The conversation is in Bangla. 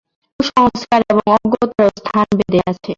কুসংস্কার এবং অজ্ঞতারও স্থান বেদে আছে।